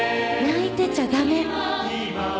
泣いてちゃダメ